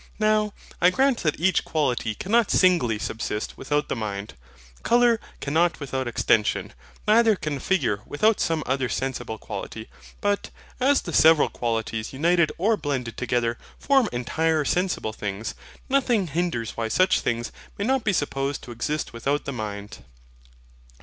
Now, I grant that each quality cannot singly subsist without the mind. Colour cannot without extension, neither can figure without some other sensible quality. But, as the several qualities united or blended together form entire sensible things, nothing hinders why such things may not be supposed to exist without the mind.